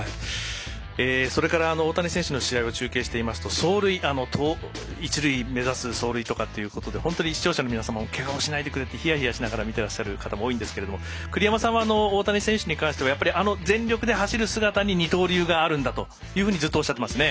それから、大谷選手の試合中継していますと一塁を目指す走塁とか本当に視聴者の皆さんもけがをしないでくれとヒヤヒヤしながら見てらっしゃる方も多いんですけれども、栗山さんは大谷選手に関してはあの全力で走る姿に二刀流があるんだとずっとおっしゃってますね。